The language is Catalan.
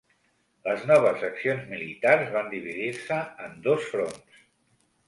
Les noves accions militars van dividir-se en dos fronts.